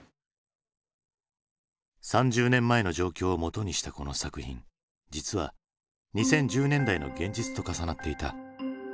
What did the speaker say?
３０年前の状況をもとにしたこの作品実は２０１０年代の現実と重なっていた。